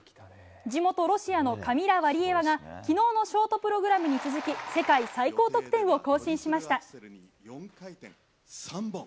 地元ロシアのカミラ・ワリエワが昨日のショートプログラムに続き世界最高得点を更新しました。